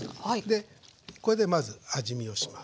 でこれでまず味見をします。